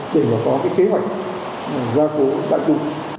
để mà có cái kế hoạch ra cố đại tu